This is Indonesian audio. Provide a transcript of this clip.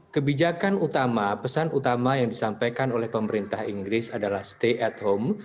kebijakan utama pesan utama yang disampaikan oleh pemerintah inggris adalah stay at home